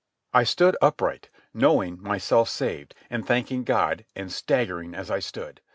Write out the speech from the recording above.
I stood upright, knowing myself saved, and thanking God, and staggering as I stood.